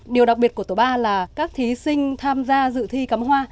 điều đặc biệt của tổ ba là các thí sinh tham gia dự thi cắm hoa